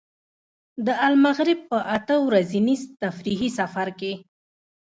د المغرب په اته ورځني تفریحي سفر کې.